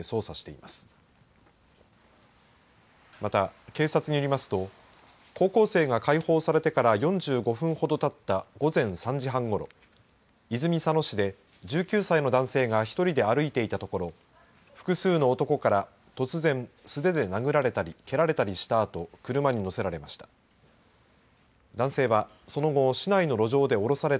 また、警察によりますと高校生が解放されてから２５分ほどたった午前３時半ごろ泉佐野市で１９歳の男性が１人で歩いていたところ複数の男から突然素手で殴られたり蹴られたりしたあと車に乗せられました。